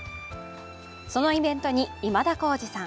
そのイベントに今田耕司さん